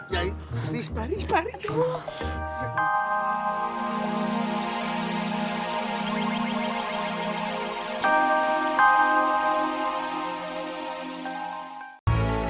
ya rispah rispah rispah